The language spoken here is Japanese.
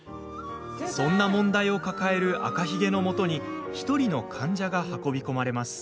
そんな問題を抱える赤ひげのもとに１人の患者が運び込まれます。